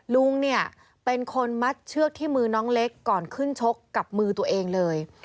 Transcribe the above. ลุงเนี่ยเป็นคนมัดเชือกที่มือน้องเล็กก่อนขึ้นชกกับมือตัวเองเลย